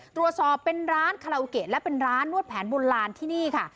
ตรวจสอบเป็นร้านคาราโอเกะและเป็นร้านนวดแผนโบราณที่นี่ค่ะ